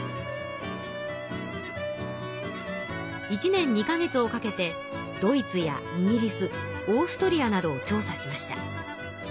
１年２か月をかけてドイツやイギリスオーストリアなどを調査しました。